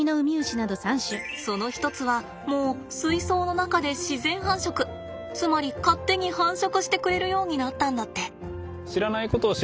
その一つはもう水槽の中で自然繁殖つまり勝手に繁殖してくれるようになったんだって。